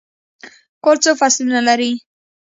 کال څو فصلونه لري؟